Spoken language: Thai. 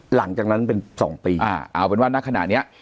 หลังจากนั้นเป็น๒ปีเอาเป็นว่าณขณะนี้